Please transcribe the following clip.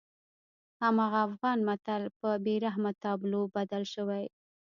هماغه افغان متل په بېرحمه تابلو بدل شوی.